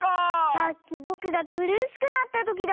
さっきぼくがくるしくなったときだ！